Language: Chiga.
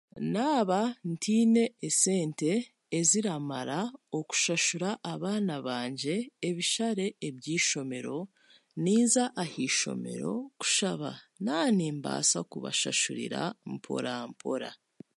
Naaba ntiine esente eziramara okushahura abaana bangye ebishare eby'eishomero, ninza ah'eishomero kushaba na'nimbaasa kubashashuriira mpora mpora.